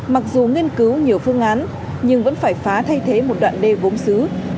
mặc dù nghiên cứu nhiều phương án nhưng vẫn phải phá thay thế một đoạn đê gốm xứ